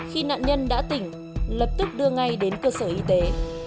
khi nạn nhân đã tỉnh lập tức đưa ngay đến cơ sở y tế